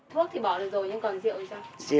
thuốc thì bỏ được rồi nhưng còn rượu thì sao